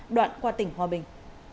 đoạn qua tỉnh hòa bình